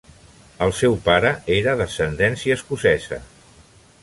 El seu pare era d'ascendència escocesa.